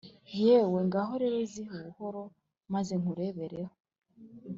yewe ngaho rero zihe ubuhoro maze nkurebere.